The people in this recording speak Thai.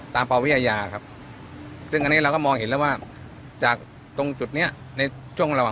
ปวิทยาครับซึ่งอันนี้เราก็มองเห็นแล้วว่าจากตรงจุดนี้ในช่วงระหว่าง